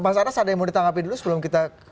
mas anas ada yang mau ditanggapi dulu sebelum kita